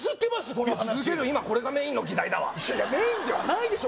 この話続ける今これがメインの議題だわいやメインではないでしょ